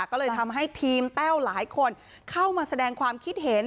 ก็เลยทำให้ทีมแต้วหลายคนเข้ามาแสดงความคิดเห็น